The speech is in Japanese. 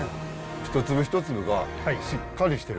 一粒一粒がしっかりしてる。